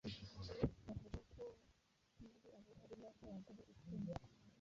bavuga ko muri abo harimo n'abagore icumi